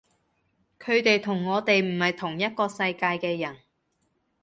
佢哋同我哋唔係同一個世界嘅人